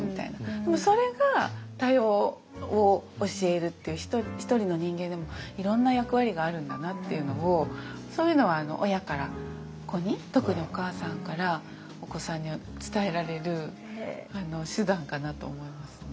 でもそれが多様を教えるっていうひとりの人間でもいろんな役割があるんだなっていうのをそういうのは親から子に特にお母さんからお子さんに伝えられる手段かなと思いますね。